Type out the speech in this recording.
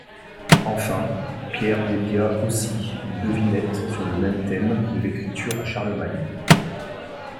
Enfin, Pierre dédia aussi une devinette sur le même thème de l'écriture à Charlemagne.